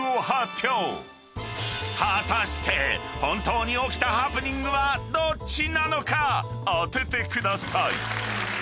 ［果たして本当に起きたハプニングはどっちなのか当ててください］